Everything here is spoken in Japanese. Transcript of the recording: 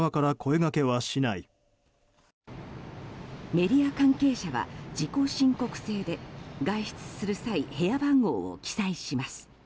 メディア関係者は自己申告制で外出する際部屋番号を記載します。